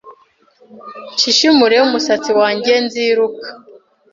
nshishimure umusatsi wanjyeNziruka